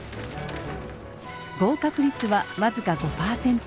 合格率は僅か５％。